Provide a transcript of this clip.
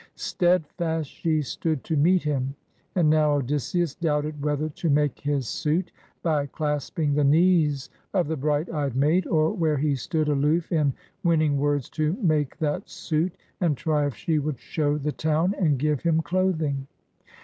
Steadfast she stood to meet him. And now Odysseus doubted whether to make his suit by clasping the knees of the bright eyed maid, or where he stood, aloof, in winning words to make that suit, and try if she would show the town and give him cloth ing.